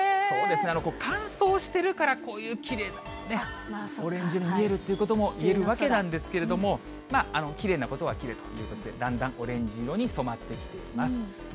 そうですね、乾燥してるからこういうきれいなオレンジ色が見えるということもいえるわけなんですけれども、きれいなことはきれいだということで、だんだんオレンジ色に染まってきています。